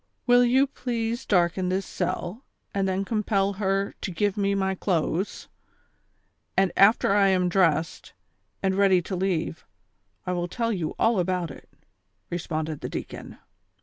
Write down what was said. " Will you please darken this cell, and then compel her to give me my clothes V and after I am dressed, andTeady to leave, I will tell you all about it," responded the deacon.